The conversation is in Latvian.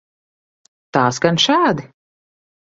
Tā skan šādi.